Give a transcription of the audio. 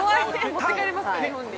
持って帰りますか、日本に。